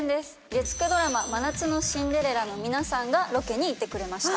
月９ドラマ「真夏のシンデレラ」の皆さんがロケに行ってくれました。